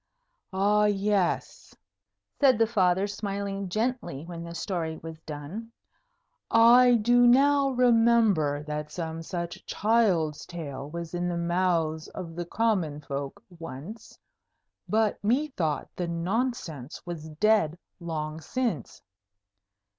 "Ah, yes," said the Father, smiling gently when the story was done; "I do now remember that some such child's tale was in the mouths of the common folk once; but methought the nonsense was dead long since."